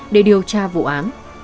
để điều tra vụ án